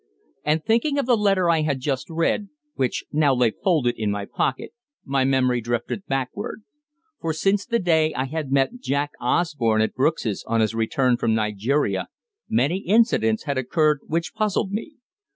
And, thinking of the letter I had just read, which now lay folded in my pocket, my memory drifted backward. For since the day I had met Jack Osborne at Brooks's on his return from Nigeria, many incidents had occurred which puzzled me.